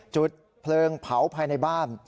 จุดเพลิงเผาภายในบ้าน